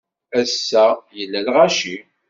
Ass-a, yella lɣaci.